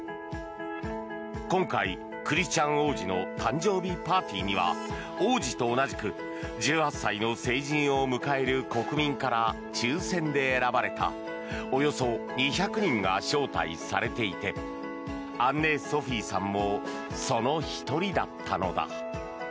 今回、クリスチャン王子の誕生日パーティーには王子と同じく１８歳の成人を迎える国民から抽選で選ばれたおよそ２００人が招待されていてアンネ・ソフィーさんもその１人だったのだ。